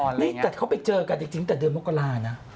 นี่แต่เขาไปเจอกันจริงตั้งแต่เดือนมกรานะ